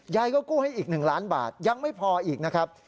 ยายก็กู้ให้อีก๑ล้านบาทยังไม่พออีกนะครับ